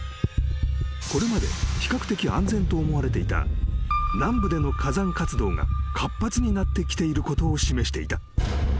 ［これまで比較的安全と思われていた南部での火山活動が活発になってきていることを示していた］